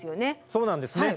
そうなんですね。